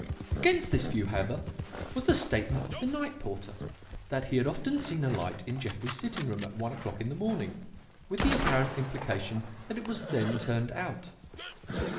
"Against this view, however, was the statement of the night porter that he had often seen a light in Jeffrey's sitting room at one o'clock in the morning, with the apparent implication that it was then turned out.